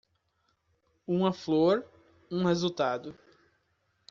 Uma flor, um resultado